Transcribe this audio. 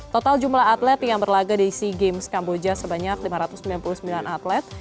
total jumlah atlet yang berlaga di sea games kamboja sebanyak lima ratus sembilan puluh sembilan atlet